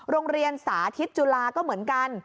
โรงเรียนสาธิตจุฬาก็เหมือนกัน